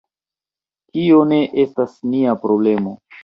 Tio ne estas nia problemo.